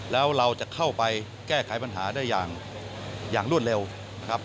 แล้วเราจะเข้าไปแก้ไขปัญหาได้อย่างรวดเร็วนะครับ